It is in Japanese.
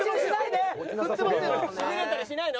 しびれたりしないの？